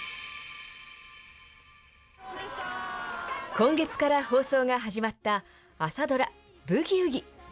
今月から放送が始まった朝ドラ、ブギウギ。